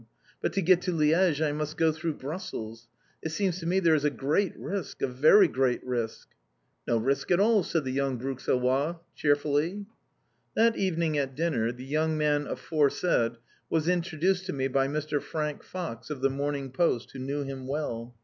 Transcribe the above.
But to get to Liège I must go through Brussels. It seems to me there is a great risk, a very great risk." "No risk at all!" said the young Bruxellois cheerfully. That evening at dinner, the young man aforesaid was introduced to me by Mr. Frank Fox, of the Morning Post, who knew him well.